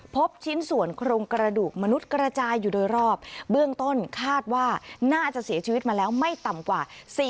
พบชิ้นส่วนโครงกระดูกมนุษย์กระจายอยู่โดยรอบเบื้องต้นคาดว่าน่าจะเสียชีวิตมาแล้วไม่ต่ำกว่า